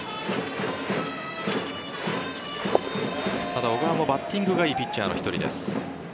ただ、小川もバッティングがいいピッチャーの１人です。